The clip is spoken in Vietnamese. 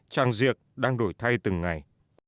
trang diệt đang đổi thay từng ngày